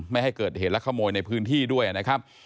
ไม่ให้เกิดเหตุและขโมยในพื้นที่ด้วยนะครับ